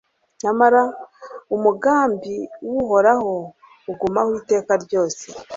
Nyamara umugambi w’Uhoraho ugumaho iteka ryose